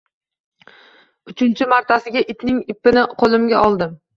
Uchinchi martasiga itning ipini qo`limga oldim